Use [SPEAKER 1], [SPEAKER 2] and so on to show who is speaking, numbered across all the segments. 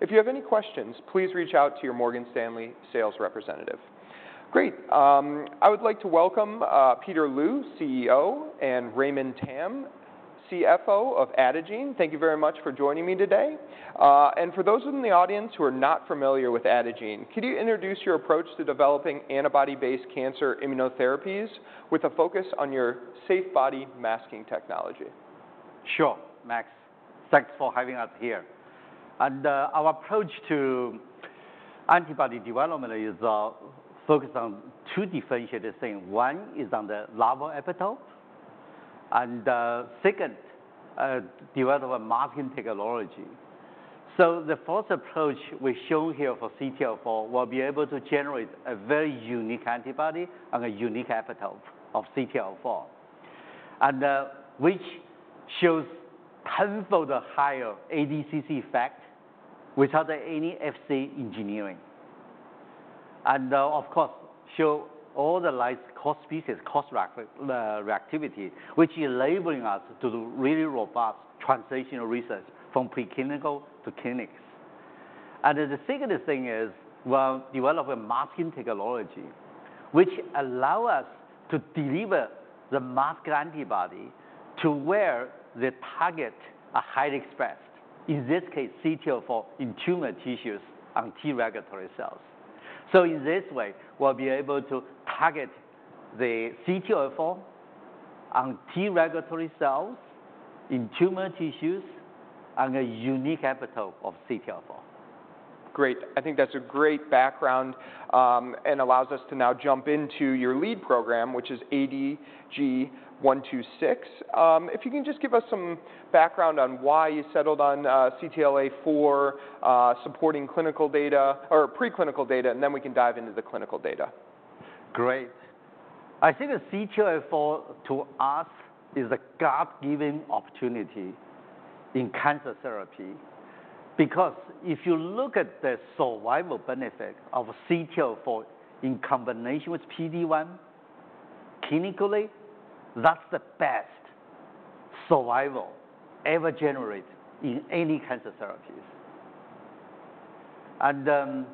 [SPEAKER 1] If you have any questions, please reach out to your Morgan Stanley sales representative. Great, I would like to welcome, Peter Luo, CEO, and Raymond Tam, CFO of Adagene. Thank you very much for joining me today. And for those in the audience who are not familiar with Adagene, could you introduce your approach to developing antibody-based cancer immunotherapies, with a focus on your SAFEbody masking technology?
[SPEAKER 2] Sure, Max. Thanks for having us here. Our approach to antibody development is focused on two differentiated things. One is on the novel epitope, and second, develop a masking technology, so the first approach we show here for CTLA-4 will be able to generate a very unique antibody and a unique epitope of CTLA-4, which shows tenfold higher ADCC effect without any Fc engineering, and of course show low cross-species cross-reactivity, which enabling us to do really robust translational research from preclinical to clinic. The second thing is, well, develop a masking technology, which allow us to deliver the masked antibody to where the target are highly expressed, in this case, CTLA-4 in tumor tissues and T-regulatory cells. So in this way, we'll be able to target the CTLA-4 on T-regulatory cells, in tumor tissues, and a unique epitope of CTLA-4.
[SPEAKER 1] Great. I think that's a great background, and allows us to now jump into your lead program, which is ADG126. If you can just give us some background on why you settled on CTLA-4, supporting clinical data or preclinical data, and then we can dive into the clinical data.
[SPEAKER 2] Great. I think the CTLA-4, to us, is a God-given opportunity in cancer therapy. Because if you look at the survival benefit of CTLA-4 in combination with PD-1, clinically, that's the best survival ever generated in any cancer therapies. And,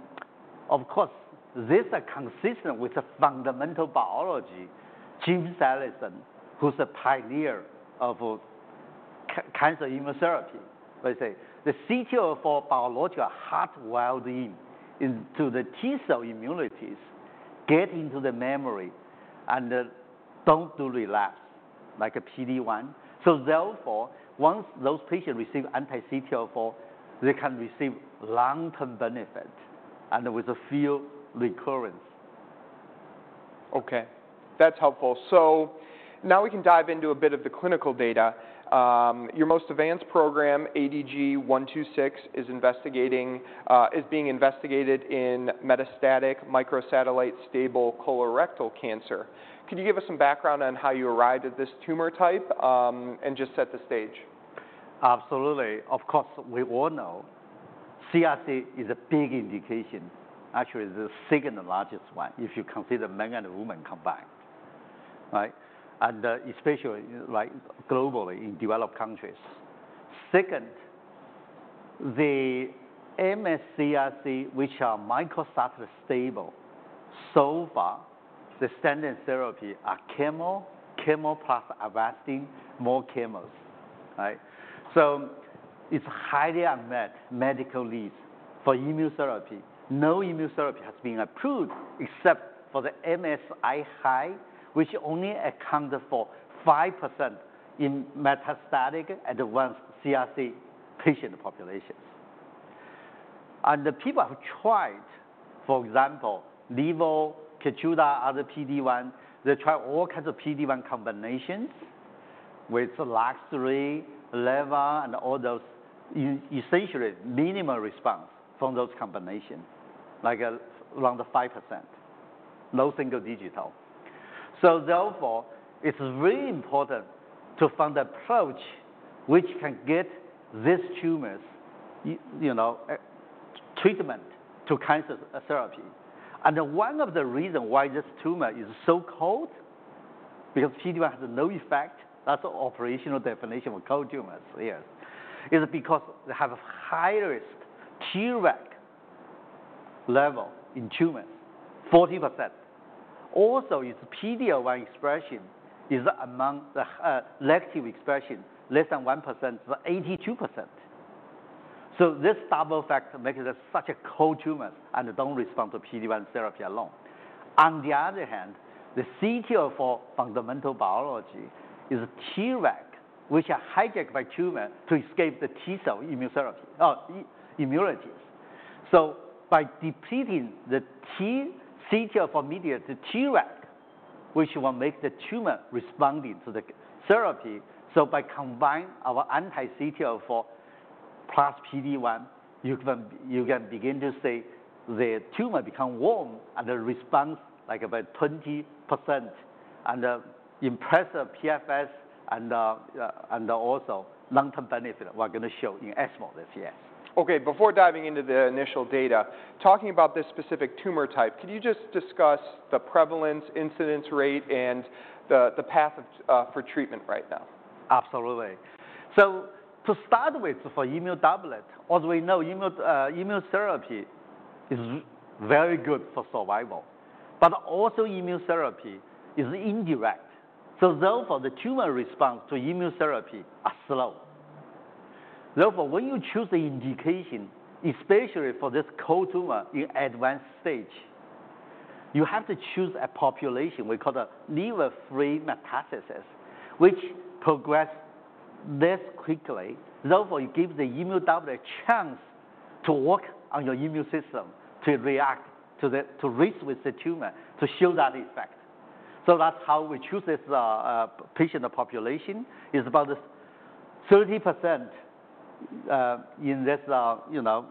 [SPEAKER 2] of course, this are consistent with the fundamental biology. Jim Allison, who's a pioneer of cancer immunotherapy, would say, "The CTLA-4 biological hardwired in to the T cell immunities, get into the memory, and, don't do relapse, like a PD-1." So therefore, once those patients receive anti-CTLA-4, they can receive long-term benefit, and with a few recurrence.
[SPEAKER 1] Okay, that's helpful. So now we can dive into a bit of the clinical data. Your most advanced program, ADG-126, is being investigated in metastatic microsatellite stable colorectal cancer. Could you give us some background on how you arrived at this tumor type, and just set the stage?
[SPEAKER 2] Absolutely. Of course, we all know, CRC is a big indication, actually, the second largest one, if you consider men and women combined, right? And especially, like, globally in developed countries. Second, the MSS CRC, which are microsatellite stable, so far, the standard therapy are chemo, chemo plus Avastin, more chemos, right? So it's highly unmet medical needs for immunotherapy. No immunotherapy has been approved, except for the MSI-High, which only accounted for 5% in metastatic and 1% CRC patient populations. And the people who tried, for example, Nivo, Keytruda, other PD-1, they tried all kinds of PD-1 combinations with the last-line level, and all those essentially minimal response from those combinations, like, around the 5%, low single digits. So therefore, it's really important to find an approach which can get these cold tumors, you know, treatment to cancer therapy. One of the reason why this tumor is so cold, because PD-1 has a low effect, that's the operational definition of cold tumors, yes, is because they have a high-risk Treg level in tumors, 40%. Also, its PD-L1 expression is among the elective expression, less than 1% to 82%. So this double effect makes it such a cold tumors and don't respond to PD-1 therapy alone. On the other hand, the CTLA-4 fundamental biology is Treg, which are hijacked by tumor to escape the T cell immunotherapy - immunities. So by depleting the CTLA-4 mediate, the Treg, which will make the tumor responding to the therapy. By combining our anti-CTLA-4 plus PD-1, you can begin to see the tumor become warm, and the response, like, about 20%, and impressive PFS and also long-term benefit, we're gonna show in ESMO this year.
[SPEAKER 1] Okay, before diving into the initial data, talking about this specific tumor type, can you just discuss the prevalence, incidence rate, and the path for treatment right now?
[SPEAKER 2] Absolutely. So to start with, for immunodoublet, as we know, immunotherapy is very good for survival, but also immunotherapy is indirect. So therefore, the tumor response to immunotherapy are slow. Therefore, when you choose the indication, especially for this cold tumor in advanced stage, you have to choose a population we call the liver free metastasis, which progress less quickly. Therefore, it gives the immuno-doublet a chance to work on your immune system to react to the, to race with the tumor, to show that effect. So that's how we choose this patient population. It's about 30%, in this, you know,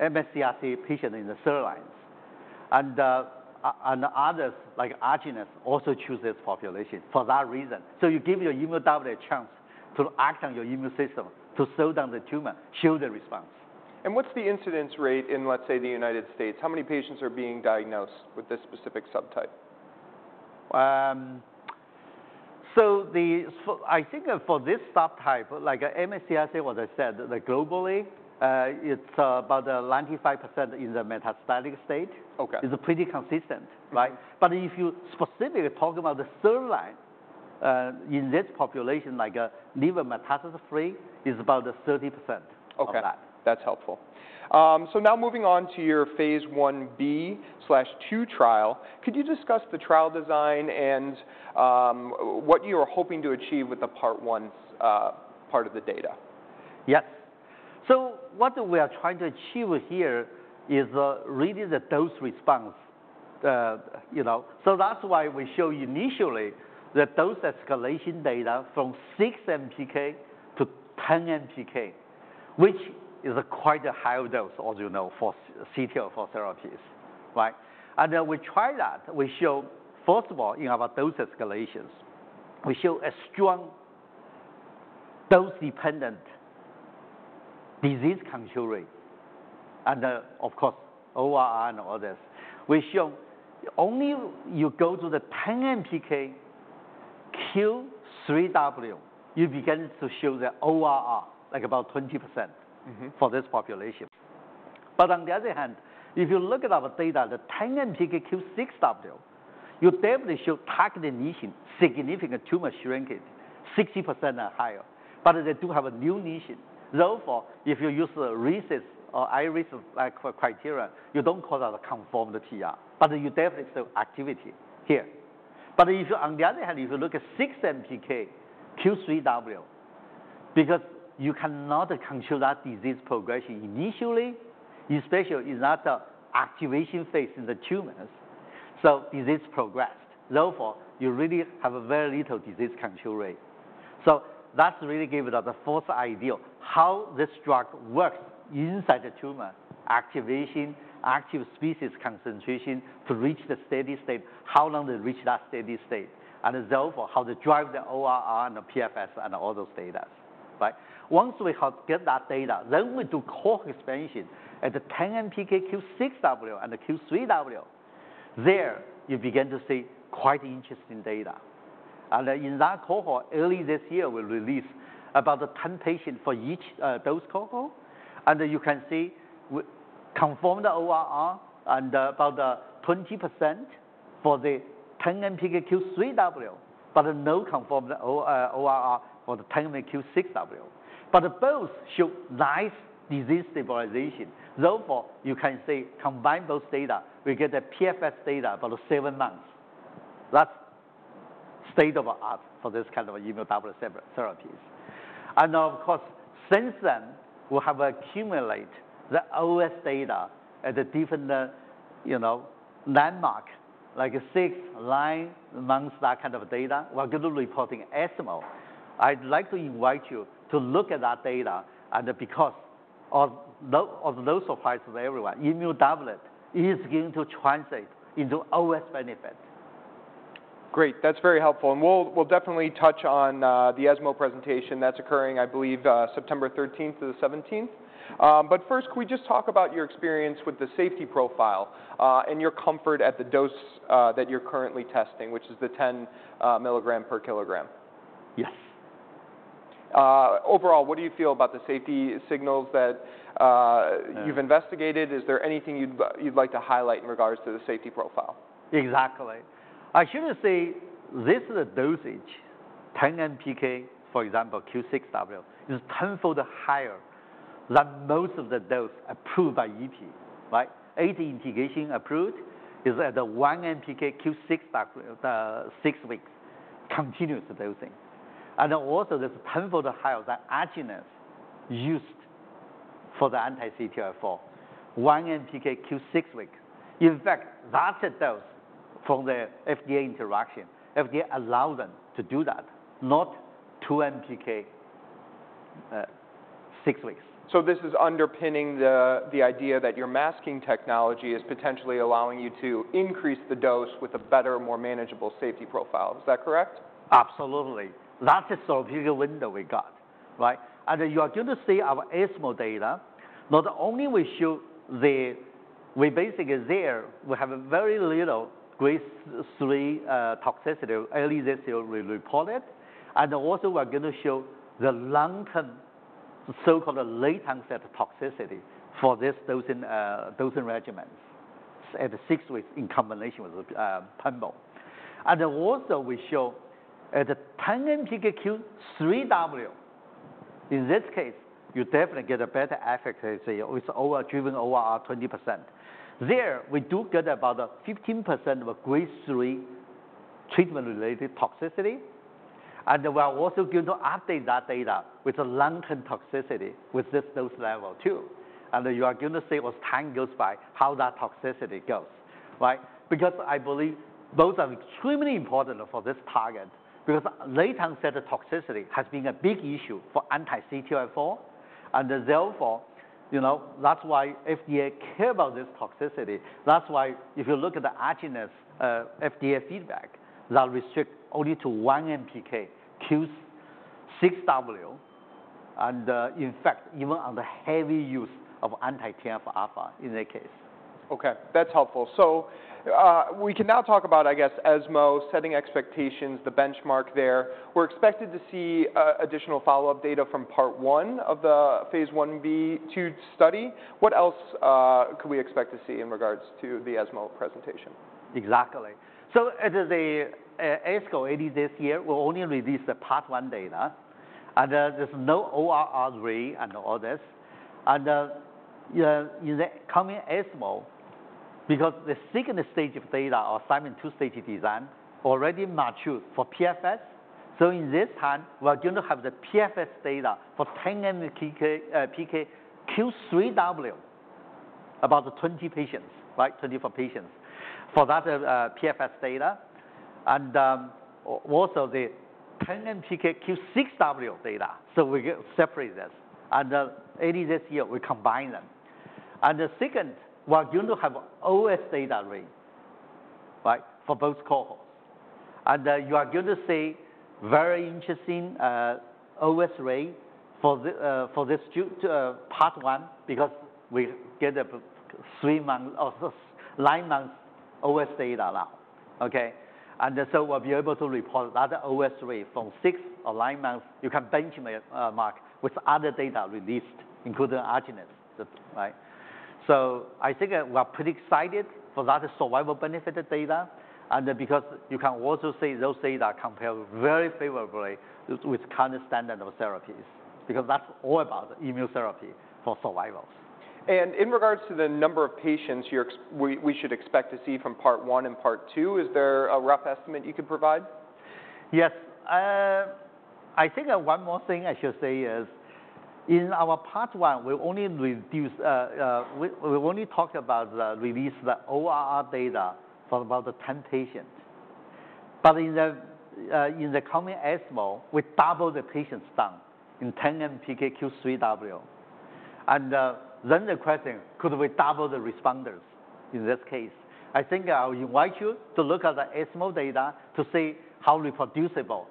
[SPEAKER 2] mCRC patient in the third lines. And others, like Agenus, also choose this population for that reason. So you give your immunodoublet a chance to act on your immune system to slow down the tumor, show the response.
[SPEAKER 1] What's the incidence rate in, let's say, the United States? How many patients are being diagnosed with this specific subtype?
[SPEAKER 2] I think for this subtype, like MSS CRC, what I said, like globally, it's about 95% in the metastatic stage.
[SPEAKER 1] Okay.
[SPEAKER 2] It's pretty consistent, right? But if you specifically talk about the third line, in this population, like a liver metastasis free, is about 30%.
[SPEAKER 1] Okay.
[SPEAKER 2] of that.
[SPEAKER 1] That's helpful. So now moving on to your phase IB/II trial, could you discuss the trial design and what you are hoping to achieve with the part one part of the data?
[SPEAKER 2] Yes. So what we are trying to achieve here is, really the dose response. You know, so that's why we show you initially the dose escalation data from 6 mpk to 10 mpk, which is quite a high dose, as you know, for CTLA-4 therapies, right? And then we try that. We show, first of all, you know, about dose escalations. We show a strong dose-dependent disease control rate, and, of course, ORR and all this. We show only you go to the 10 mpk Q3W, you begin to show the ORR, like about 20%.
[SPEAKER 1] Mm-hmm...
[SPEAKER 2] for this population. But on the other hand, if you look at our data, the 10 mpk Q6W, you definitely show target lesion, significant tumor shrinkage, 60% or higher, but they do have a new lesion. Therefore, if you use the RECIST or iRECIST criteria, you don't call that a confirmed PR, but you definitely show activity here. But if you, on the other hand, if you look at 6 mpk Q3W, because you cannot control that disease progression initially, especially in that activation phase in the tumors, so disease progressed. Therefore, you really have a very little disease control rate. So that's really gave us the first idea how this drug works inside the tumor: activation, active species concentration to reach the steady state, how long to reach that steady state, and therefore, how to drive the ORR and the PFS and all those data. Right? Once we have get that data, then we do cohort expansion at the 10 mpk Q6W and the Q3W. There, you begin to see quite interesting data. In that cohort, early this year, we released about the 10 patients for each dose cohort, and you can see with confirmed ORR and about 20% for the 10 mpk Q3W, but no confirmed ORR for the 10 mpk Q6W. Both show nice disease stabilization. Therefore, you can say, combine both data, we get a PFS data about seven months. That's state of the art for this kind of immuno-doublet separate therapies. And of course, since then, we have accumulate the OS data at a different, you know, landmark, like a six-month line among that kind of data. We're going to be reporting ESMO. I'd like to invite you to look at that data, and because of those apply everywhere, immunodoublet is going to translate into OS benefit.
[SPEAKER 1] Great, that's very helpful, and we'll definitely touch on the ESMO presentation that's occurring, I believe, September thirteenth through the seventeenth. But first, could we just talk about your experience with the safety profile and your comfort at the dose that you're currently testing, which is the 10 mg/kg?
[SPEAKER 2] Yes.
[SPEAKER 1] Overall, what do you feel about the safety signals that?
[SPEAKER 2] Yeah...
[SPEAKER 1] you've investigated? Is there anything you'd like to highlight in regards to the safety profile?
[SPEAKER 2] Exactly. I should say this is a dosage, 10 mpk, for example, Q6W, is tenfold higher than most of the dose approved by Ipi, right? 18 indication approved is at the 1 mpk Q6W, six weeks continuous dosing. And then also, there's tenfold higher the Agenus used for the anti-CTLA-4, 1 mpk Q6W. In fact, that's the dose from the FDA interaction. FDA allow them to do that, not 2 mpk, six weeks.
[SPEAKER 1] So this is underpinning the idea that your masking technology is potentially allowing you to increase the dose with a better, more manageable safety profile. Is that correct?
[SPEAKER 2] Absolutely. That's the sort of window we got, right? You are going to see our ESMO data. Not only we show the. We basically there, we have a very little grade three toxicity. Early this year, we report it, and also we're going to show the long-term, so-called late onset toxicity for this dosing dosing regimens at the six weeks in combination with pembro. And also we show at the 10 mpk Q3W. In this case, you definitely get a better efficacy. It's over driven ORR 20%. There, we do get about a 15% of grade three treatment-related toxicity, and we are also going to update that data with the lung cancer toxicity with this dose level, too. You are going to see what time goes by, how that toxicity goes, right? Because I believe those are extremely important for this target, because late-onset toxicity has been a big issue for anti-CTLA-4. And therefore, you know, that's why FDA cares about this toxicity. That's why if you look at the Agenus FDA feedback, that restricts only to 1 mpk Q6W, and in fact, even on the heavy use of anti-TNF alpha in that case.
[SPEAKER 1] Okay, that's helpful. So, we can now talk about, I guess, ESMO setting expectations, the benchmark there. We're expected to see additional follow-up data from part one of the phase IB/II study. What else can we expect to see in regards to the ESMO presentation?
[SPEAKER 2] Exactly. So at the ASCO this year, we'll only release the part one data, and there's no ORR rate and all this. And, yeah, in the coming ESMO, because the second stage of data or Simon two-stage design already mature for PFS. So in this time, we are going to have the PFS data for 10 mpk Q3W, about the 20 patients, right, 24 patients. For that, PFS data, and, also the 10 mpk Q6W data. So we get separate this. And, ASCO this year, we combine them. And the second, we are going to have OS data rate, right, for both cohorts. And, you are going to see very interesting, OS rate for the, for this two, part one, because we get a 3-month or 9-month OS data now. Okay? And so we'll be able to report that OS rate from six or nine months. You can benchmark with other data released, including Agenus, right. So I think we're pretty excited for that survival benefit data, and because you can also see those data compare very favorably with current standard of therapies, because that's all about immunotherapy for survival.
[SPEAKER 1] And in regards to the number of patients we should expect to see from part one and part two, is there a rough estimate you could provide?
[SPEAKER 2] Yes. I think that one more thing I should say is, in our part one, we only released the ORR data for about the ten patients. But in the coming ESMO, we double the patients done in 10 mpk Q3W. And then the question, could we double the responders in this case? I think I invite you to look at the ESMO data to see how reproducible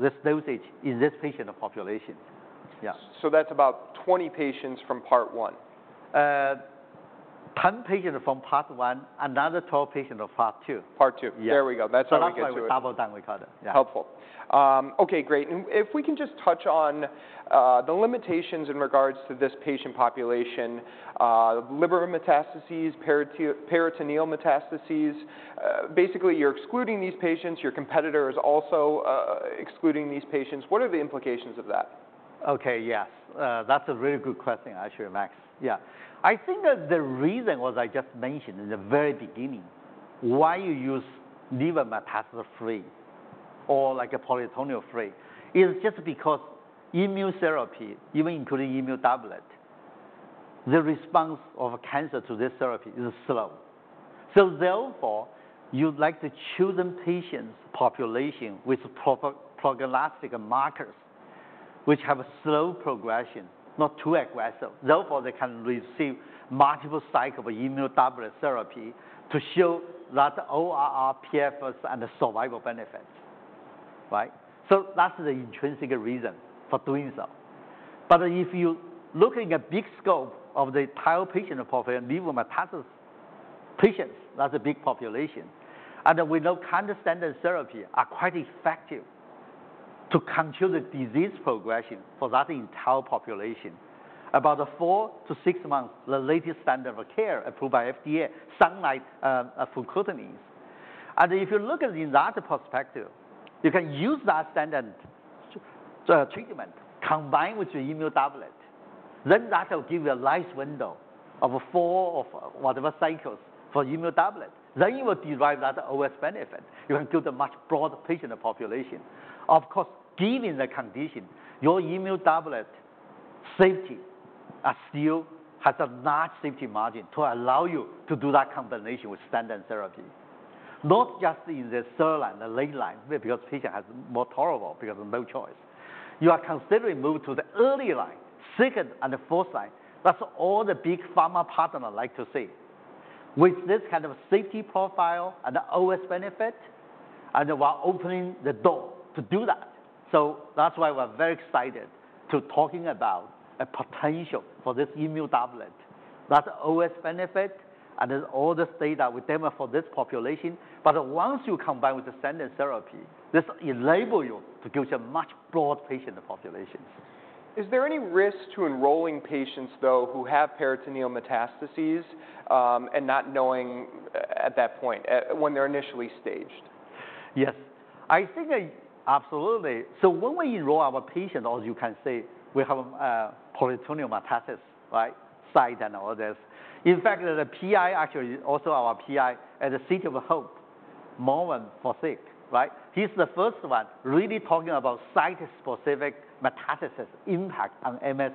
[SPEAKER 2] this dosage in this patient population. Yeah.
[SPEAKER 1] So that's about 20 patients from part one?
[SPEAKER 2] 10 patients from part one, another 12 patients of part two.
[SPEAKER 1] Part two.
[SPEAKER 2] Yeah.
[SPEAKER 1] There we go. That's how we get to it.
[SPEAKER 2] So that's why we double time, we call it. Yeah.
[SPEAKER 1] Helpful. Okay, great. And if we can just touch on the limitations in regards to this patient population, liver metastases, peritoneal metastases. Basically, you're excluding these patients. Your competitor is also excluding these patients. What are the implications of that?
[SPEAKER 2] Okay, yes. That's a really good question, actually, Max. Yeah. I think that the reason, as I just mentioned in the very beginning, why you use liver metastasis free or like a peritoneal free, is just because immunotherapy, even including immunodoublet, the response of cancer to this therapy is slow. So therefore, you'd like to choose the patients population with proper prognostic markers, which have a slow progression, not too aggressive. Therefore, they can receive multiple cycle of immunodoublet therapy to show that ORR, PFS, and the survival benefit, right? So that's the intrinsic reason for doing so. But if you look at a big scope of the entire patient population, liver metastasis patients, that's a big population. And we know current standard therapy are quite effective to control the disease progression for that entire population. About the four to six months, the latest standard of care approved by FDA sounds like a Fruquintinib, and if you look at it in that perspective, you can use that standard treatment combined with your immunodoublet, then that will give you a nice window of four or whatever cycles for immunodoublet, then you will derive that OS benefit. You can build a much broader patient population. Of course, given the condition, your immunodoublet safety are still has a large safety margin to allow you to do that combination with standard therapy. Not just in the third line, the late line, because patient has more tolerable, because no choice. You are considering move to the early line, second and the first line. That's all the big pharma partner like to see. With this kind of safety profile and the OS benefit, and we're opening the door to do that, so that's why we're very excited to talking about a potential for this immuno-doublet. That's OS benefit, and there's all this data with demo for this population, but once you combine with the standard therapy, this enable you to give a much broad patient population.
[SPEAKER 1] Is there any risk to enrolling patients, though, who have peritoneal metastases, and not knowing at that point, at when they're initially staged?
[SPEAKER 2] Yes, I think, absolutely. So when we enroll our patient, or you can say, we have peritoneal metastasis, right? Site and all this. In fact, the PI actually, also our PI at the City of Hope, Marwan Fakih, right? He's the first one really talking about site-specific metastasis impact on MS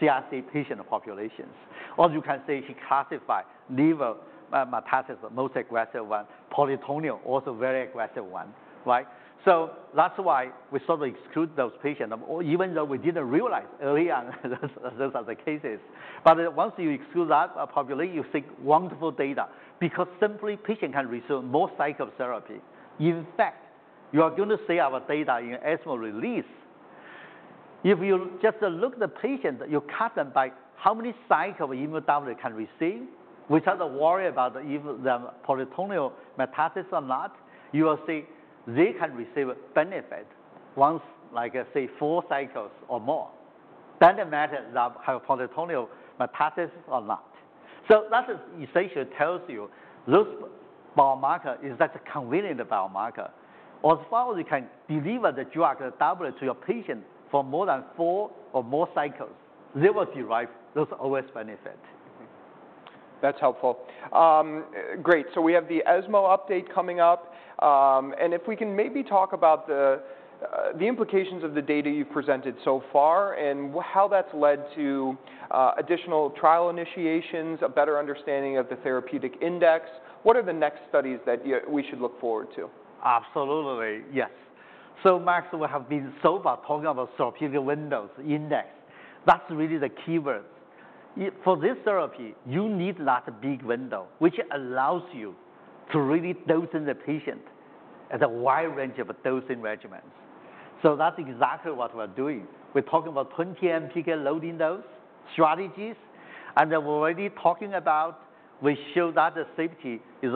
[SPEAKER 2] CRC patient populations, or you can say he classified liver metastasis, the most aggressive one, peritoneal, also very aggressive one, right? So that's why we sort of exclude those patients, even though we didn't realize early on those are the cases. But once you exclude that population, you see wonderful data, because simply patient can receive more cycles of therapy. In fact, you are going to see our data in ESMO release. If you just look at the patients, you cut them by how many cycles of immunotherapy they can receive, without the worry about the peritoneal metastasis or not, you will see they can receive a benefit once, like, say, four cycles or more. Doesn't matter they have peritoneal metastasis or not. So that essentially tells you, those biomarker is not a convenient biomarker. As long as you can deliver the drug, the doublet, to your patient for more than four or more cycles, they will derive those OS benefit.
[SPEAKER 1] That's helpful. Great, so we have the ESMO update coming up, and if we can maybe talk about the implications of the data you've presented so far, and how that's led to additional trial initiations, a better understanding of the therapeutic index. What are the next studies that we should look forward to?
[SPEAKER 2] Absolutely, yes. So Max, we have been so far talking about therapeutic windows index. That's really the key words. For this therapy, you need that big window, which allows you to really dosing the patient at a wide range of dosing regimens. So that's exactly what we're doing. We're talking about 20 mpk loading dose strategies, and we're already talking about, we show that the safety is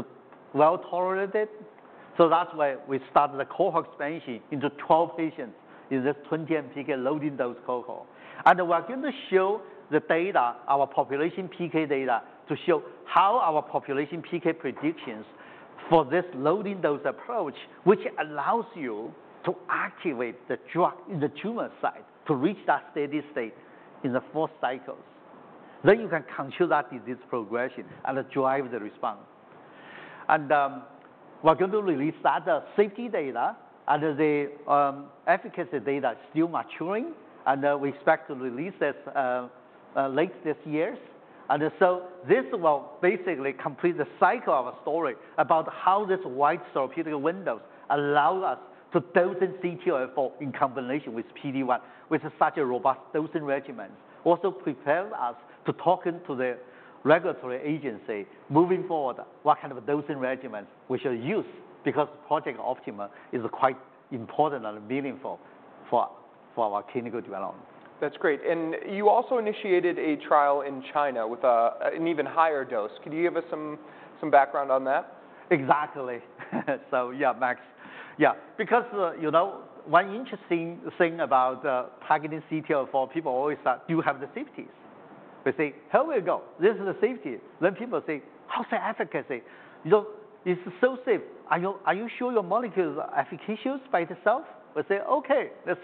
[SPEAKER 2] well-tolerated, so that's why we started the cohort expansion into 12 patients in this 20 mpk loading dose cohort. And we're going to show the data, our population PK data, to show how our population PK predictions for this loading dose approach, which allows you to activate the drug in the tumor site to reach that steady state in the four cycles. Then you can control that disease progression and drive the response. We're going to release that, the safety data, and the efficacy data is still maturing, and we expect to release this late this year. This will basically complete the cycle of a story about how this wide therapeutic windows allow us to dose CTLA-4 in combination with PD-1, with such a robust dosing regimen. Also prepare us to talking to the regulatory agency, moving forward, what kind of dosing regimens we should use, because Project Optimus is quite important and meaningful for our clinical development.
[SPEAKER 1] That's great. And you also initiated a trial in China with an even higher dose. Can you give us some background on that?
[SPEAKER 2] Exactly. So yeah, Max. Yeah, because, you know, one interesting thing about targeting CTLA-4, people always ask, "Do you have the safeties?" They say, "Here we go, this is the safety." Then people say, "How's the efficacy? You know, it's so safe, are you, are you sure your molecule is efficacious by itself?" We say, "Okay, let's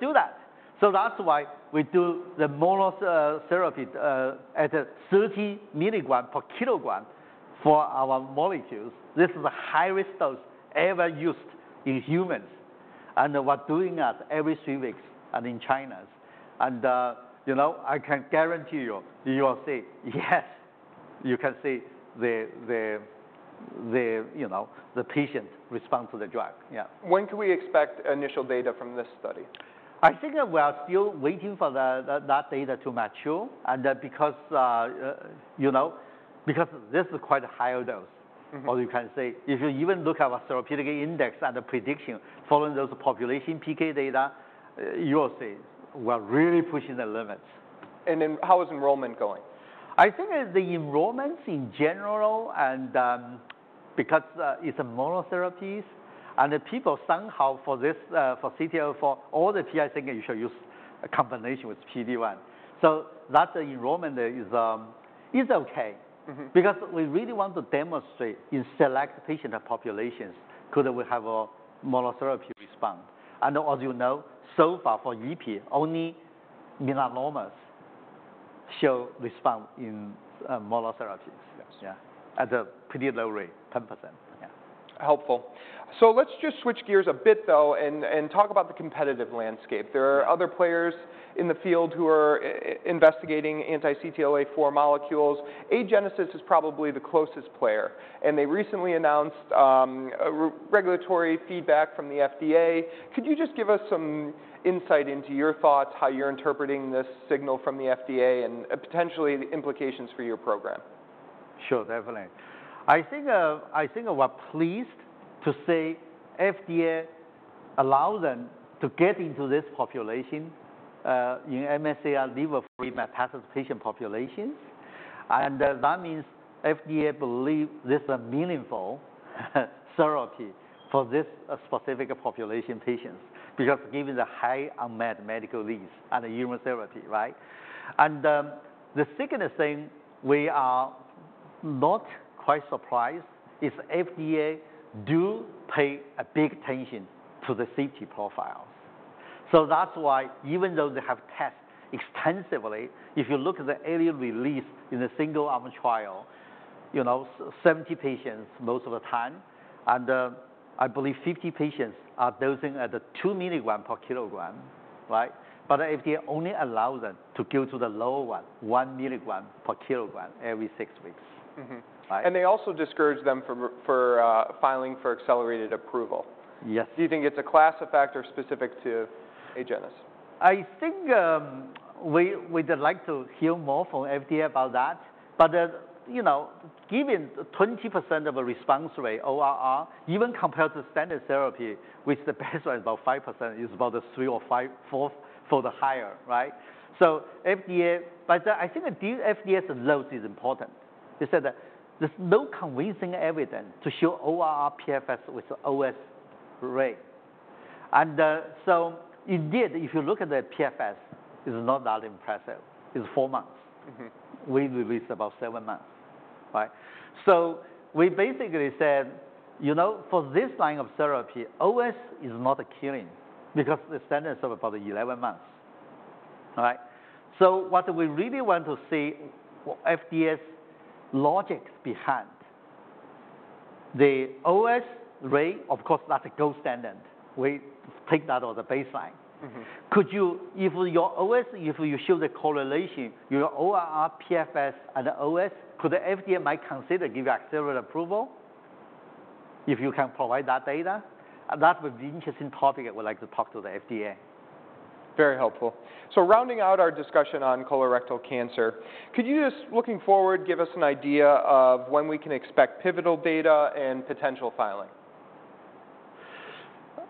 [SPEAKER 2] do that." So that's why we do the monotherapy at a 30 mg/kg for our molecules. This is the highest dose ever used in humans, and we're doing that every three weeks and in China. And, you know, I can guarantee you, you will see, yes, you can see the, you know, the patient response to the drug. Yeah.
[SPEAKER 1] When can we expect initial data from this study?
[SPEAKER 2] I think we are still waiting for the, that data to mature, and because, you know, because this is quite a higher dose-
[SPEAKER 1] Mm-hmm.
[SPEAKER 2] or you can say, if you even look at our therapeutic index and the prediction following those population PK data, you will see we're really pushing the limits.
[SPEAKER 1] How is enrollment going?
[SPEAKER 2] I think the enrollments in general, and because it's a monotherapies, and the people somehow for this for CTLA-4, all the PI think you should use a combination with PD-1. So that enrollment is okay.
[SPEAKER 1] Mm-hmm.
[SPEAKER 2] Because we really want to demonstrate in select patient populations, could we have a monotherapy response? And as you know, so far for Ipi, only melanomas show response in monotherapies.
[SPEAKER 1] Yes.
[SPEAKER 2] Yeah, at a pretty low rate, 10%. Yeah.
[SPEAKER 1] Helpful. So let's just switch gears a bit, though, and talk about the competitive landscape.
[SPEAKER 2] Yeah.
[SPEAKER 1] There are other players in the field who are investigating anti-CTLA-4 molecules. Agenus is probably the closest player, and they recently announced a regulatory feedback from the FDA. Could you just give us some insight into your thoughts, how you're interpreting this signal from the FDA, and potentially the implications for your program?
[SPEAKER 2] Sure, definitely. I think we're pleased to say FDA allow them to get into this population, in MSS CRC liver metastatic patient population, and that means FDA believe this a meaningful therapy for this specific population patients, because given the high unmet medical needs and the human therapy, right? The second thing we are not quite surprised is FDA do pay a big attention to the safety profiles. So that's why even though they have tested extensively, if you look at the early release in a single arm trial, you know, 70 patients most of the time, and I believe 50 patients are dosing at the two milligram per kilogram, right? But the FDA only allow them to go to the lower one, 1 mg/kg every six weeks.
[SPEAKER 1] Mm-hmm.
[SPEAKER 2] Right?
[SPEAKER 1] And they also discourage them from filing for accelerated approval.
[SPEAKER 2] Yes.
[SPEAKER 1] Do you think it's a class effect or specific to Agenus?
[SPEAKER 2] I think, we, we'd like to hear more from FDA about that. But, you know, given 20% of a response rate, ORR, even compared to standard therapy, which the baseline is about 5%, is about the three or five, four, for the higher, right? So FDA, but I think the FDA's word is important. They said that there's no convincing evidence to show ORR PFS with OS rate. And, so indeed, if you look at the PFS, it's not that impressive. It's four months.
[SPEAKER 1] Mm-hmm.
[SPEAKER 2] We released about seven months, right? So we basically said, "You know, for this line of therapy, OS is not a curing, because the standard is about eleven months." All right? So what we really want to see, FDA's logic behind the OS rate, of course, that's a gold standard. We take that as a baseline.
[SPEAKER 1] Mm-hmm.
[SPEAKER 2] Could you, if your OS, if you show the correlation, your ORR, PFS, and OS, could the FDA might consider give you accelerated approval, if you can provide that data? That would be interesting topic I would like to talk to the FDA.
[SPEAKER 1] Very helpful. So rounding out our discussion on colorectal cancer, could you just, looking forward, give us an idea of when we can expect pivotal data and potential filing?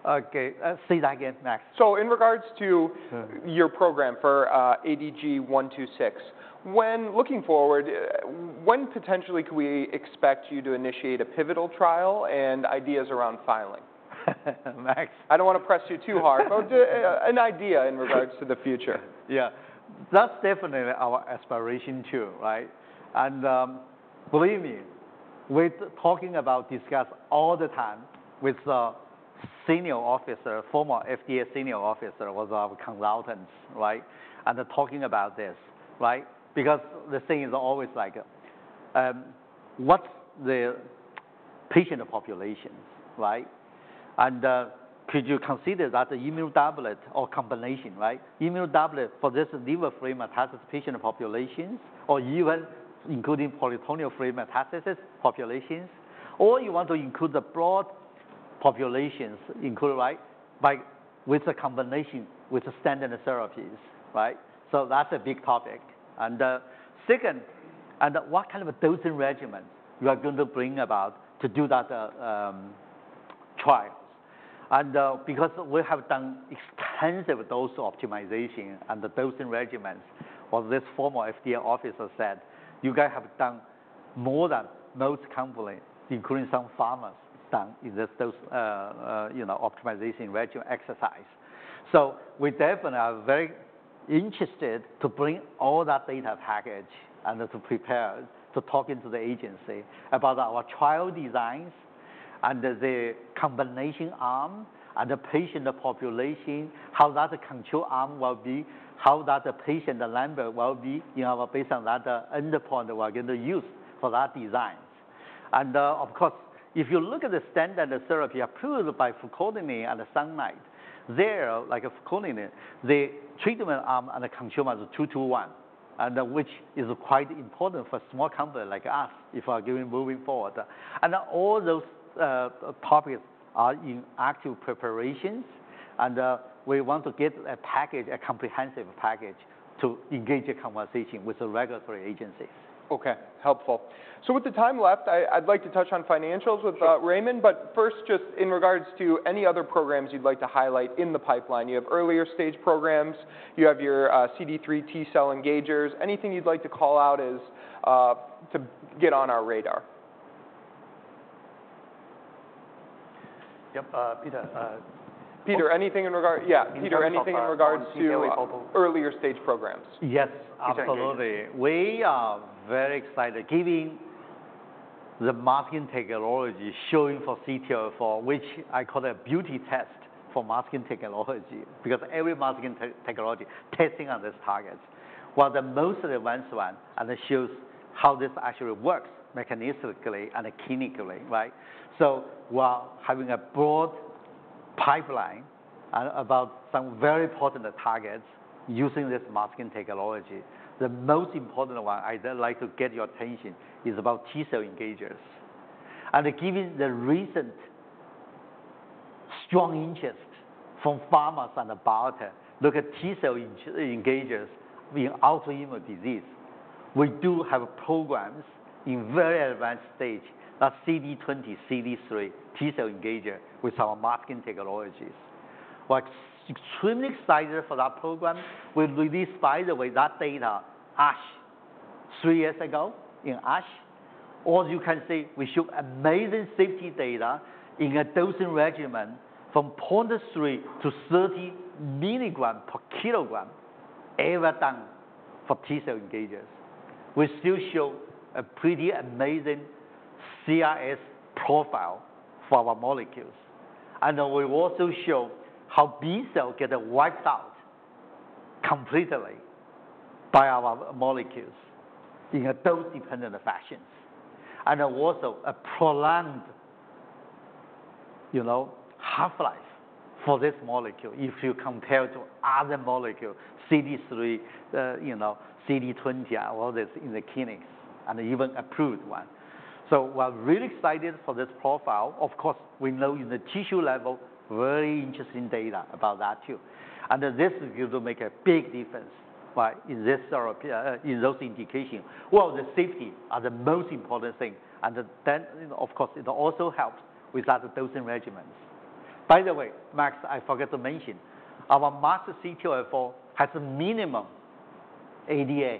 [SPEAKER 2] Okay, say that again, Max.
[SPEAKER 1] So in regards to-
[SPEAKER 2] Sure...
[SPEAKER 1] your program for ADG126, when looking forward, when potentially could we expect you to initiate a pivotal trial and ideas around filing?
[SPEAKER 2] Max!
[SPEAKER 1] I don't want to press you too hard, but an idea in regards to the future.
[SPEAKER 2] Yeah. That's definitely our aspiration, too, right? And, believe me, we're talking about discuss all the time with the senior officer, former FDA senior officer, was our consultants, right? And they're talking about this, right? Because the thing is always like, what's the patient population, right? And, could you consider that immunodoublet or combination, right? immunodoublet for this liver metastasis patient populations, or even including peritoneal metastasis populations, or you want to include the broad populations, right, with the combination with the standard therapies, right? So that's a big topic. And, second, and what kind of a dosing regimen you are going to bring about to do that, trials. Because we have done extensive dose optimization and the dosing regimens. This former FDA officer said, "You guys have done more than most companies, including some pharmas, done in this dose, you know, optimization regimen exercise." So we definitely are very interested to bring all that data package and to prepare to talking to the agency about our trial designs and the combination arm and the patient population, how that control arm will be, how that patient limit will be, you know, based on that endpoint we are going to use for that designs. And, of course, if you look at the standard therapy approved by Fruquintinib and Sunlight, there like Fruquintinib, the treatment arm and the control arm is two to one, and which is quite important for small company like us if are giving moving forward. And all those topics are in active preparations, and we want to get a package, a comprehensive package, to engage a conversation with the regulatory agencies.
[SPEAKER 1] Okay. Helpful. So with the time left, I'd like to touch on financials with-
[SPEAKER 2] Sure...
[SPEAKER 1] Raymond, but first, just in regards to any other programs you'd like to highlight in the pipeline. You have earlier stage programs, you have your, CD3 T-cell engagers. Anything you'd like to call out as to get on our radar?
[SPEAKER 3] Yep, Peter.
[SPEAKER 1] Yeah, Peter, anything in regard to-
[SPEAKER 3] Yeah, Peter...
[SPEAKER 1] earlier stage programs?
[SPEAKER 2] Yes, absolutely. We are very excited. Given the masking technology, showing for CTLA-4, which I call a beauty test for masking technology, because every masking technology testing on this target, while the most advanced one, and it shows how this actually works mechanistically and clinically, right? So while having a broad pipeline and about some very important targets using this masking technology, the most important one I'd like to get your attention is about T-cell engagers. And given the recent strong interest from pharmas and the biotech, look at T-cell engagers in autoimmune disease. We do have programs in very advanced stage, that CD20, CD3 T-cell engager with our masking technologies. We're extremely excited for that program. We released, by the way, that data ASH, three years ago in ASH. Or you can say we show amazing safety data in a dosing regimen from 0.3 to 30 mg/kg ever done for T-cell engagers. We still show a pretty amazing CRS profile for our molecules, and we also show how B cell get wiped out completely by our molecules in a dose-dependent fashion. And also a prolonged, you know, half-life for this molecule if you compare to other molecules, CD3, you know, CD20 or all this in the clinics, and even approved one. So we're really excited for this profile. Of course, we know in the tissue level, very interesting data about that, too. And this is going to make a big difference, right, in this therapy, in those indications. The safety are the most important thing, and then, of course, it also helps with other dosing regimens. By the way, Max, I forgot to mention, our masked CTLA-4 has a minimal ADA,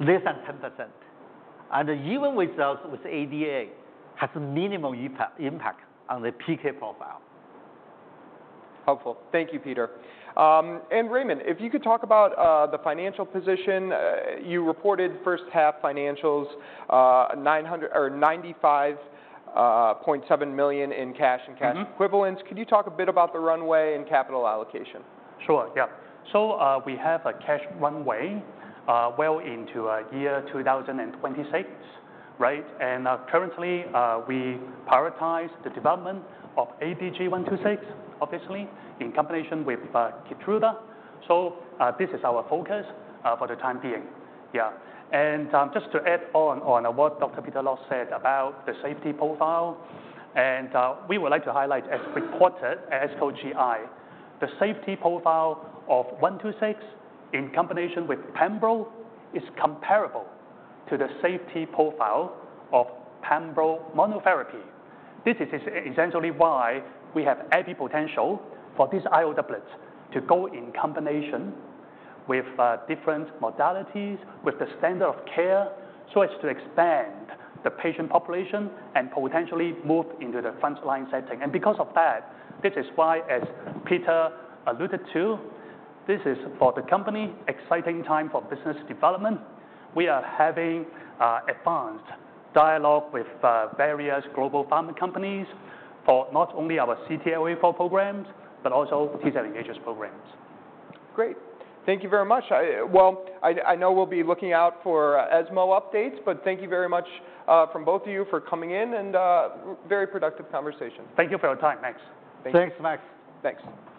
[SPEAKER 2] less than 10%, and even with those with ADA, has a minimal impact on the PK profile.
[SPEAKER 1] Helpful. Thank you, Peter. And Raymond, if you could talk about the financial position. You reported first half financials, $95.7 million in cash-
[SPEAKER 3] Mm-hmm
[SPEAKER 1] and cash equivalents. Could you talk a bit about the runway and capital allocation?
[SPEAKER 3] Sure, yeah. So, we have a cash runway, well into year two thousand and twenty-six, right? And, currently, we prioritize the development of ADG126, obviously, in combination with Keytruda. So, this is our focus, for the time being. Yeah. And, just to add on, on what Dr. Peter Luo said about the safety profile, and, we would like to highlight, as reported at ASCO GI, the safety profile of ADG126 in combination with pembro is comparable to the safety profile of pembro monotherapy. This is essentially why we have every potential for this IO doublet to go in combination with different modalities, with the standard of care, so as to expand the patient population and potentially move into the front-line setting. Because of that, this is why, as Peter alluded to, this is for the company, exciting time for business development. We are having advanced dialogue with various global pharma companies for not only our CTLA-4 programs, but also T-cell engagers programs.
[SPEAKER 1] Great. Thank you very much. Well, I know we'll be looking out for ESMO updates, but thank you very much from both of you for coming in, and very productive conversation.
[SPEAKER 3] Thank you for your time, Max.
[SPEAKER 1] Thank you.
[SPEAKER 2] Thanks, Max.
[SPEAKER 1] Thanks.